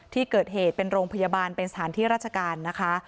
ที่เกิดเหตุเป็นโรงพยาบาลเป็นสถานที่ราชการนะคะ